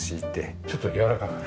ちょっとやわらかく？